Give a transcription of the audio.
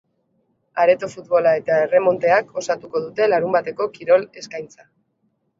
Areto futbola eta erremonteak osatuko dute larunbateko kirol eskaintza.